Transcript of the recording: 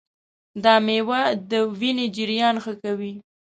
دا مېوه د وینې جریان ښه کوي.